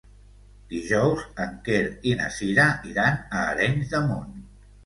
Dijous en Quer i na Sira iran a Arenys de Munt.